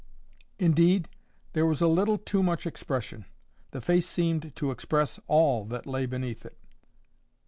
Indeed, there was a little too much expression. The face seemed to express ALL that lay beneath it.